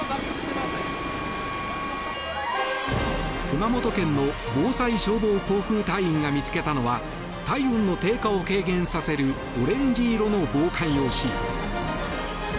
熊本県の防災消防航空隊員が見つけたのは体温の低下を軽減させるオレンジ色の防寒用シート。